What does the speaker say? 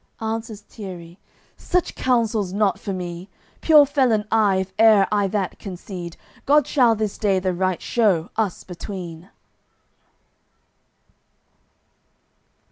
Answers Tierri: "Such counsel's not for me. Pure felon I, if e'er I that concede! God shall this day the right shew, us between!"